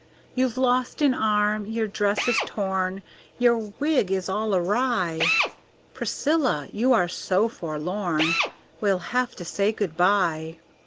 You've lost an arm, your dress is torn, Your wig is all awry; Priscilla, you are so forlorn, We'll have to say good by.